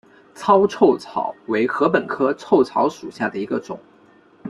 糙臭草为禾本科臭草属下的一个种。